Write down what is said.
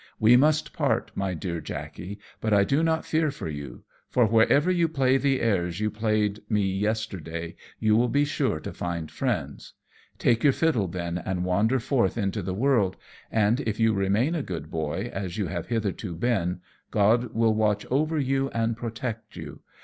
We must part, my dear Jackey, but I do not fear for you, for wherever you play the airs you played me yesterday, you will be sure to find friends. Take your fiddle then, and wander forth into the world, and if you remain a good boy, as you have hitherto been, God will watch over you and protect you.